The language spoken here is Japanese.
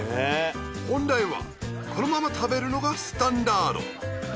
本来はこのまま食べるのがスタンダード。